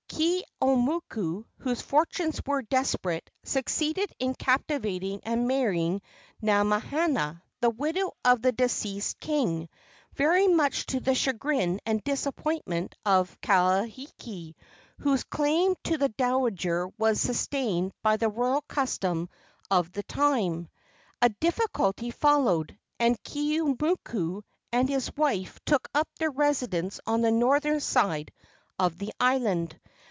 Keeaumoku, whose fortunes were desperate, succeeded in captivating and marrying Namahana, the widow of the deceased king, very much to the chagrin and disappointment of Kahekili, whose claim to the dowager was sustained by the royal custom of the time. A difficulty followed, and Keeaumoku and his wife took up their residence on the northern side of the island.